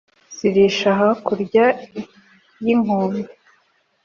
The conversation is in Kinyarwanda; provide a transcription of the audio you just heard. zirisha hakurya y’inkombe